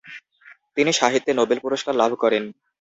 তিনি সাহিত্যে নোবেল পুরস্কার লাভ করেন।